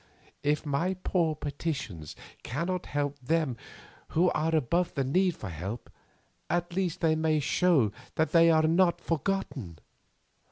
If my poor petitions cannot help them who are above the need for help, at least they may show that they are not forgotten.